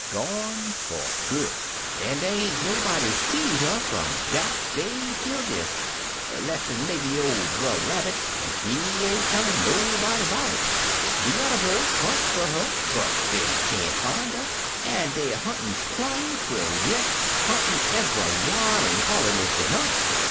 Gone fer good, an' dey ain't no body seed her fimi dat day ter dis, less'n maybe ol' Brer Rabbit, an' he ain't tellin' nobody 'bout it. "De yuther birds hunt fer 'er, but dey can't fin' 'er, an' deyer huntin' plimi twel yit, huntin' eve'ywhar, an' a callin' ez dey hunt.